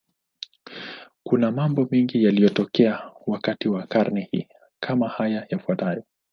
Kuna mambo mengi yaliyotokea wakati wa karne hii, kama haya yafuatayo.